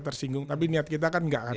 tersinggung tapi niat kita kan enggak